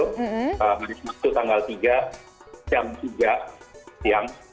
hari sabtu tanggal tiga jam tiga siang